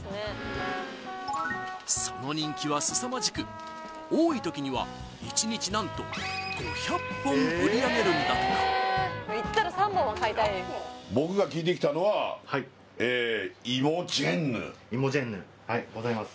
その人気はすさまじく多いときには一日なんと５００本売り上げるんだとかいもジェンヌはいございます